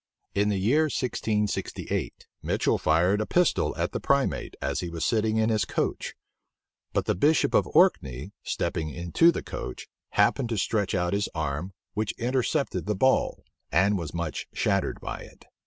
In the year 1668, Mitchel fired a pistol at the primate, as he was sitting in his coach; but the bishop of Orkney, stepping into the coach, happened to stretch out his arm, which intercepted the ball, and was much shattered by it.